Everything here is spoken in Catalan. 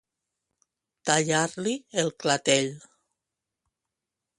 Tallar-li el clatell.